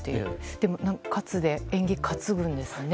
でもカツで縁起担ぐんですね。